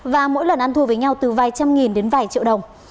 và mỗi lần ăn thua với nhau từ vài trăm nghìn đến vài triệu đồng